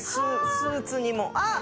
スーツにもあっ！